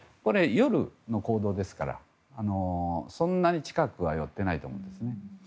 これは夜の行動ですからそんなに近くは寄ってないと思うんですね。